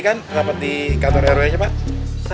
kenapa di kantornya bapak bapak bapak bapak gede gede finally